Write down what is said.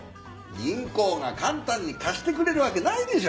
銀行が簡単に貸してくれるわけないでしょ。